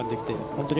本当に。